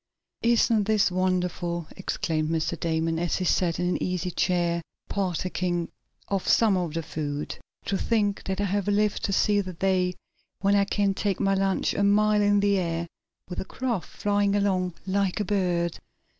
"Isn't this wonderful!" exclaimed Mr. Damon, as he sat in an easy chair, partaking of some of the food. "To think that I have lived to see the day when I can take my lunch a mile in the air, with a craft flying along like a bird.